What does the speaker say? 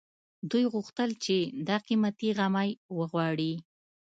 دوی غوښتل چې دا قيمتي غمی وغواړي